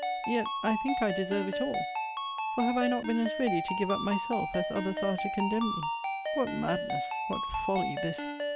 Yet I think I deserve it all; for have I not been as ready to give up myself, as others are to condemn me? What madness, what folly, this!